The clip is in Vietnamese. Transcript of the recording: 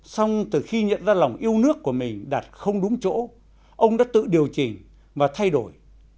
xong từ khi nhận ra lòng yêu nước của mình đặt không đúng chỗ ông đã tự điều chỉnh và thay đổi